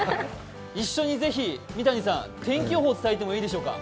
一緒にぜひ天気予報を伝えてもいいでしょうか。